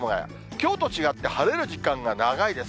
きょうと違って晴れる時間が長いです。